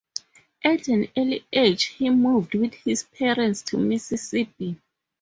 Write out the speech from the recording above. At an early age he moved with his parents to Mississippi.